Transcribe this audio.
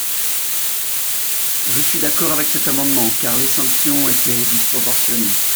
Je suis d’accord avec cet amendement, car les sanctions étaient disproportionnées.